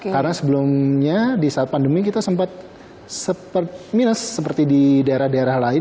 karena sebelumnya di saat pandemi kita sempat minus seperti di daerah daerah lain